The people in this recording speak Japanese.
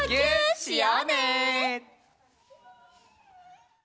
しようね！